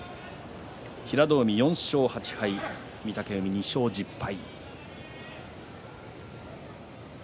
平戸海、４勝８敗御嶽海、２勝１０敗。